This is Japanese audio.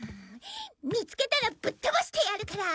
見つけたらぶっ飛ばしてやるから。